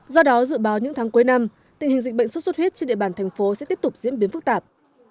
do đó dự báo những tháng cuối năm tình hình dịch bệnh xuất xuất huyết trên địa bàn thành phố sẽ tiếp tục diễn biến phức tạp